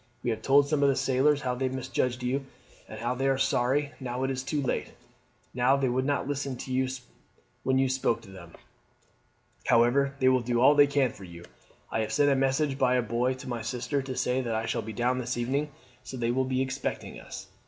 We have told some of the sailors how they misjudged you, and they are sorry, now it is too late, that they would not listen when you spoke to them. However, they will do all they can for you. I have sent a message by a boy to my sister to say that I shall be down this evening, so they will be expecting us.